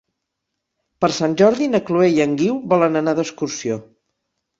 Per Sant Jordi na Chloé i en Guiu volen anar d'excursió.